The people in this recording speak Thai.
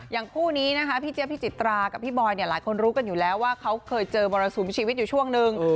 อย่างคู่นี้พี่เจ๊พพี่จิตรากับพี่บอยรู้กันอยู่แล้วว่าเขาเคยเจอมรศูนย์ชีวิตอยู่ช่วงนึง